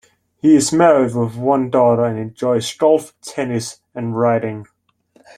He is married with one daughter and enjoys golf, tennis and riding.